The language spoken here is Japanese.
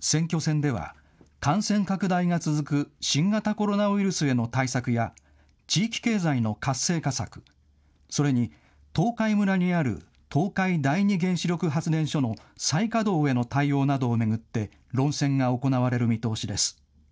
選挙戦では、感染拡大が続く新型コロナウイルスへの対策や地域経済の活性化策、それに東海村にある東海第二原子力発電所の再稼働への対応などを巡って論戦が行われる見通しです。